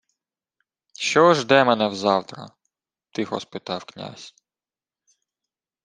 — Що жде мене взавтра? — тихо спитав князь.